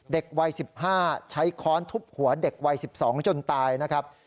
เด็กวัย๑๕ใช้ค้อนทุบหัวเด็กวัย๑๒จนตายนะครับ